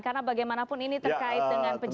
karena bagaimanapun ini terkait dengan pejabat